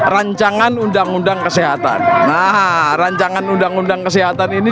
rancangan undang undang kesehatan nah rancangan undang undang kesehatan ini